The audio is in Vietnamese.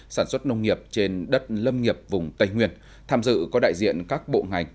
sản xuất nông nghiệp trên đất lâm nghiệp vùng tây nguyên tham dự có đại diện các bộ ngành